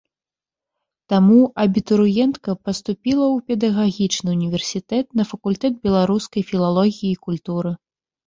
Таму абітурыентка паступіла ў педагагічны ўніверсітэт на факультэт беларускай філалогіі і культуры.